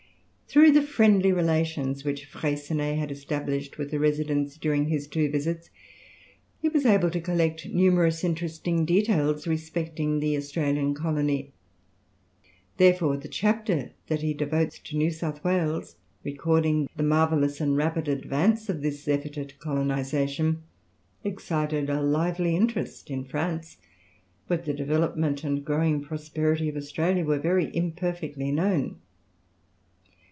Through the friendly relations which Freycinet had established with the residents during his two visits, he was able to collect numerous interesting details respecting the Australian colony. Therefore the chapter that he devotes to New South Wales, recording the marvellous and rapid advance of this effort at colonization, excited a lively interest in France, where the development and growing prosperity of Australia were very imperfectly known.